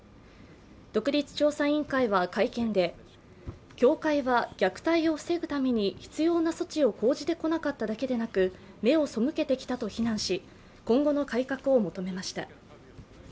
独立調査委員会は会見で、教会は虐待を防ぐために必要な措置を講じてこなかっただけでなく、目を背けてきたと非難し今後の改革を求めました。